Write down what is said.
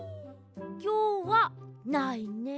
きょうはないねえ。